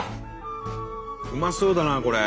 うまそうだなこれ。